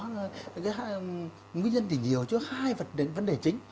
nguyên nhân thì nhiều chứ hai vấn đề chính